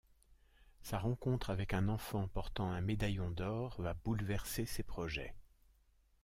Sa rencontre avec un enfant portant un médaillon d'or va bouleverser ses projets.